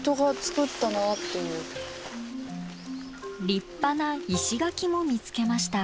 立派な石垣も見つけました。